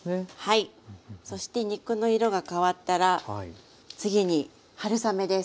そして肉の色が変わったら次に春雨です。